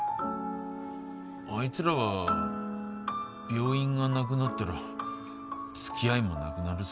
あいつらは病院がなくなったら付き合いもなくなるさ。